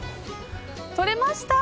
取れました。